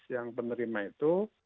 yang penerima itu